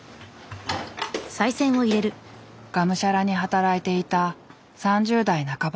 がむしゃらに働いていた３０代半ば。